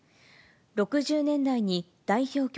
６０年代に代表曲、